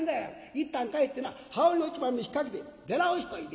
いったん帰ってな羽織の一枚も引っ掛けて出直しといで」。